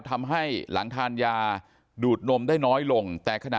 ทำให้หลังทานยาดูดนมได้น้อยลง